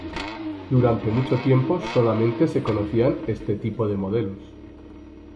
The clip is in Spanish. Durante mucho tiempo solamente se conocían este tipo de modelos.